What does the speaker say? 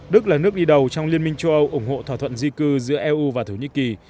đức là nước đi đầu trong liên minh châu âu ủng hộ thỏa thuận di cư giữa eu và thổ nhĩ kỳ